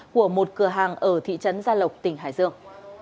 của một cửa hàng ở thị trấn gia lộc tỉnh hải dương